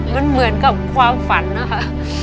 มันเหมือนกับความฝันนะคะ